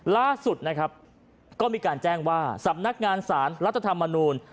ล่าสุดนะครับก็มีการแจ้งว่าสำนักงานสารรัฐธรรมนูล